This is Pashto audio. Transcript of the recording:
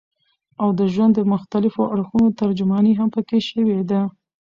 او د ژوند د مختلفو اړخونو ترجماني هم پکښې شوې ده